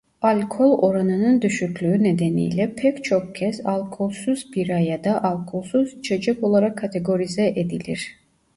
Alkol oranının düşüklüğü nedeniyle pek çok kez alkolsüz bira ya da alkolsüz içecek olarak kategorize edilir.